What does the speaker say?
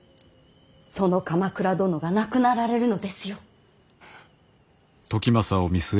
その鎌倉殿が亡くなられるのですよ。